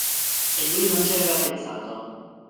E lui non ci aveva pensato.